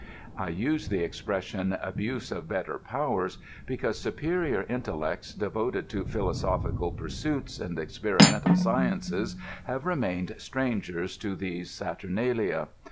I use the expression " abuse of better powers," because superior intellects devoted to phil osophici^l puMuils and etperimental sciences have remained strangers to these satuinalia.